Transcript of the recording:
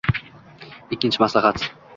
Ikkinchi maslahat.